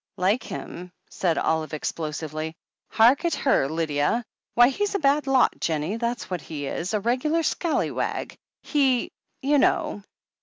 "Like him?" said Olive explosively. "Hark at her, Lydia ! Why, he's a bad lot, Jennie — ^that's what he is — a regular scall)rwag. He — ^you know."